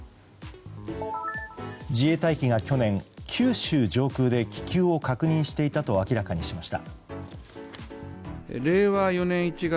自衛隊機が去年九州上空で気球を確認していたと明らかにしました。